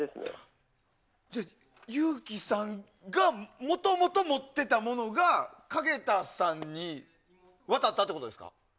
ゆうきさんがもともと持っていたものがかげたさんに渡ったってことですか？